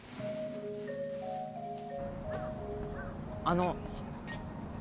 あの